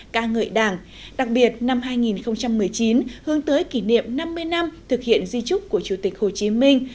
ca ngợi đảng đặc biệt năm hai nghìn một mươi chín hướng tới kỷ niệm năm mươi năm thực hiện di trúc của chủ tịch hồ chí minh